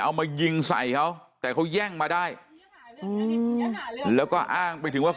เอามายิงใส่เขาแต่เขาแย่งมาได้แล้วก็อ้างไปถึงว่า